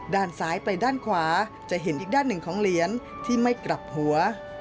ด้านซ้ายไปด้านขวาจะเห็นอีกด้านหนึ่งของเหรียญที่ไม่กลับหัว